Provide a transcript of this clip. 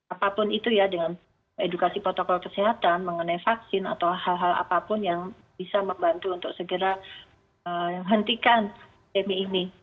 apapun itu ya dengan edukasi protokol kesehatan mengenai vaksin atau hal hal apapun yang bisa membantu untuk segera hentikan demi ini